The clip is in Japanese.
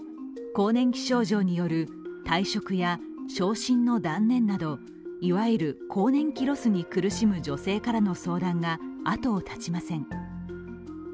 更年期症状による退職や昇進の断念などいわゆる更年期ロスに苦しむ女性からの相談があとを絶ちません。